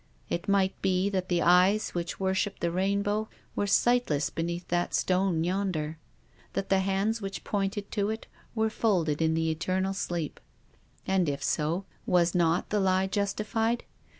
It might be that the eyes which worshipped the rainbow were sightless be neath that stone yonder; that the hands which pointed to it were folded in the eternal sleep. THE RAINBOW. 49 And, if so, was not the lie justified?